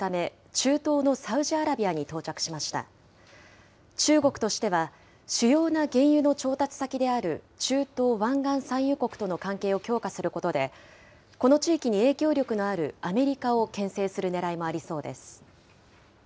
中国としては、主要な原油の調達先である中東・湾岸産油国との関係を強化することで、この地域に影響力のあるアメリカをけん制するねらいもありそうです。